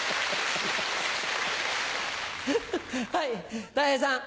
はいたい平さん。